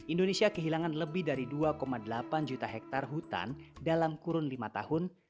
indonesia kehilangan lebih dari dua delapan juta hektare hutan dalam kurun lima tahun